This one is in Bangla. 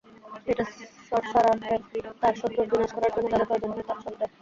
এটা সর্সারারকে তার শত্রুর বিনাশ করার জন্য যা যা প্রয়োজন হয় সব দেয়।